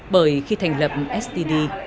bởi khi thành lập std